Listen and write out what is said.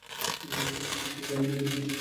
ডকুমেন্টে সই করে দিন।